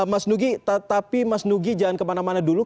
mas dugi tapi mas dugi jangan kemana mana dulu